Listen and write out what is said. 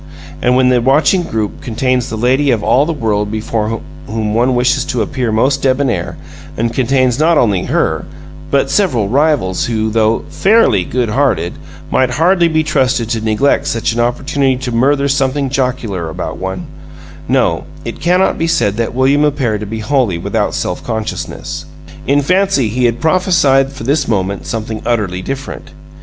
And when the watching group contains the lady of all the world before whom one wishes to appear most debonair, and contains not only her, but several rivals, who, though FAIRLY good hearted, might hardly be trusted to neglect such an opportunity to murmur something jocular about one No, it cannot be said that William appeared to be wholly without self consciousness. In fancy he had prophesied for this moment something utterly different.